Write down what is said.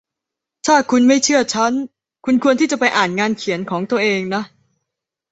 ถ้าคุณไม่เชื่อฉัน คุณควรที่จะไปอ่านงานเขียนของตัวเองนะ